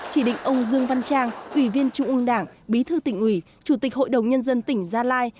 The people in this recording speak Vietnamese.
chỉ định ông dương văn trang ủy viên trung ương đảng bí thư tỉnh ủy chủ tịch hội đồng nhân dân tỉnh gia lai